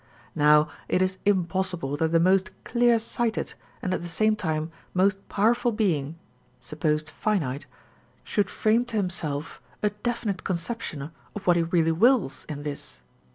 Now it is impossible that the most clear sighted and at the same time most powerful being (supposed finite) should frame to himself a definite conception of what he really wills in this.